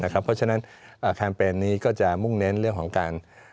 เพราะฉะนั้นแคมเปญนี้ก็จะมุ่งเน้นเรื่องของการ